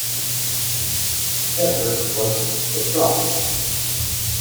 Jennifer was distraught.